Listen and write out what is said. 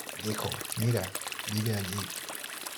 Dijo: "Mira, vive allí.